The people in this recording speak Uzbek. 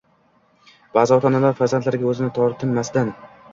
Ba’zi ota-onalar farzandlariga o‘zini tortinmasdan